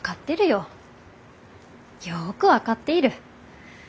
よく分かっている。